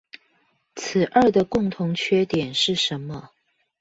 此二的共同缺點是什麼？